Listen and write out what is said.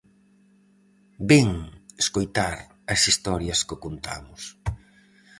Ven escoitar as historias que contamos.